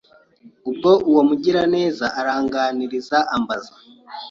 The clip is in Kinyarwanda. Ubwo uwo mugiraneza aranganiriza ambaza